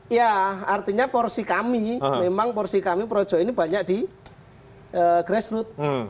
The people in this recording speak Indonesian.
ya artinya porsi kami memang porsi kami projo ini banyak di grassroot